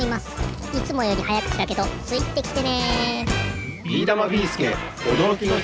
いつもよりはやくちだけどついてきてね。